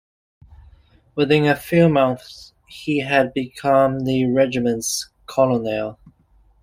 Within a few months, he had become the regiment's colonel.